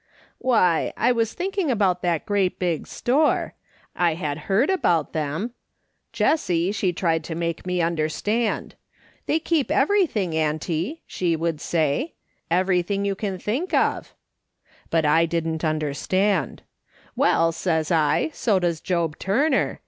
" Why, I was thinking about that great big store. I had heard about them ; Jessie, she tried to make me understand. ' They keep everything, auntie,' she would say: 'everything you can think of.' But I didn't understand. ' Well,' says I, ' so does Job Turner.